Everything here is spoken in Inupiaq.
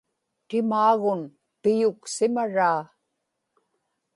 timaagun piyuksimaraa